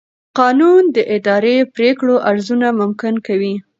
قانون د اداري پرېکړو ارزونه ممکن کوي.